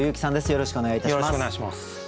よろしくお願いします。